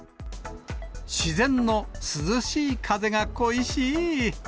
自然の涼しい風が恋しーい。